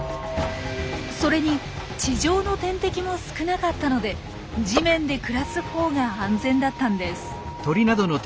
それに地上の天敵も少なかったので地面で暮らすほうが安全だったんです。